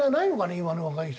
今の若い人。